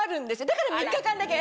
だから３日間だけ。